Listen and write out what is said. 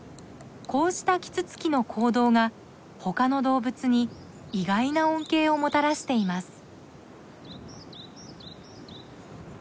こうしたキツツキの行動が他の動物に意外な恩恵をもたらしています。